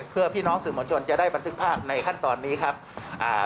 เพื่อพี่น้องสื่อมวลชนจะได้บันทึกภาพในขั้นตอนนี้ครับอ่า